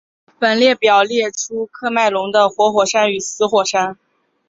本列表列出喀麦隆的活火山与死火山。